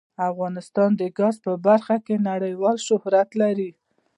افغانستان د ګاز په برخه کې نړیوال شهرت لري.